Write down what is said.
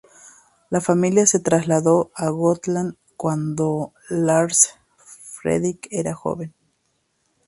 La familia se trasladó a Gotland cuando Lars Fredrik era joven.